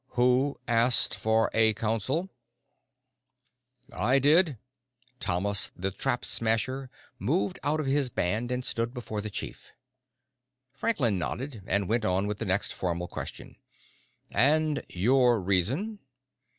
Who asked for a council?" "I did." Thomas the Trap Smasher moved out of his band and stood before the chief. Franklin nodded, and went on with the next, formal question: "And your reason?"